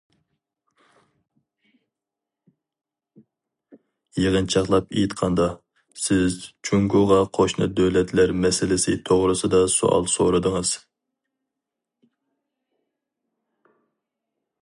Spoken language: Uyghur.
يىغىنچاقلاپ ئېيتقاندا، سىز جۇڭگوغا قوشنا دۆلەتلەر مەسىلىسى توغرىسىدا سوئال سورىدىڭىز.